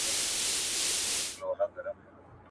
• ترخه وخوره، خو ترخه مه وايه.